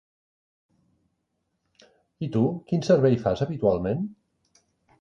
I tu, quin servei fas habitualment?